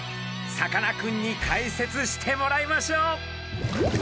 さかなクンに解説してもらいましょう。